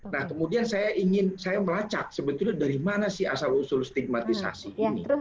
nah kemudian saya ingin saya melacak sebetulnya dari mana sih asal usul stigmatisasi ini